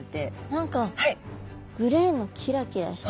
何かグレーのキラキラした体。